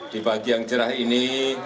di bagian cerah ini